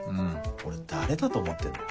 俺誰だと思ってんだよ。